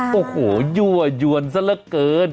ค่ะค่ะโอ้โฮยั่วยวนสักละเกิน